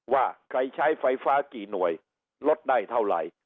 ว่าใครใช้ไฟฟ้ากี่หน่วยลดได้เท่าไหร่